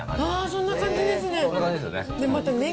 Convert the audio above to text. そんな感じですよね。